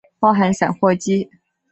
包含散货机。